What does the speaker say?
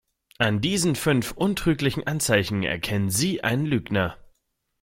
An diesen fünf untrüglichen Anzeichen erkennen Sie einen Lügner.